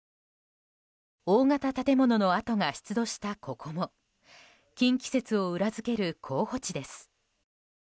大型建物の跡が出土したここも近畿説を裏付ける候補地です。